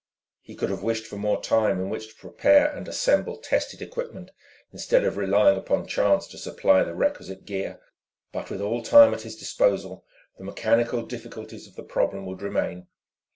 He could have wished for more time in which to prepare and assemble tested equipment instead of relying upon chance to supply the requisite gear; but with all time at his disposal the mechanical difficulties of the problem would remain.